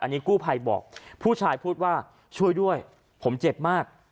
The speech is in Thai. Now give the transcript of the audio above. อันนี้กู้ภัยบอกผู้ชายพูดว่าช่วยด้วยผมเจ็บมาก